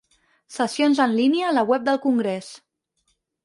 Sessions en línia a la web del Congrés.